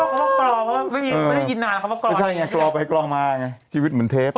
กล่องไปกล่องมาชีวิตเหมือนเทป